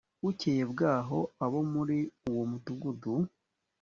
bukeye bwaho abo muri uwo mudugudu